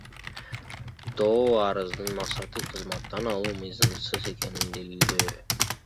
Доо арыздын максаты — кызматтан алуу мыйзамсыз экенин далилдөө.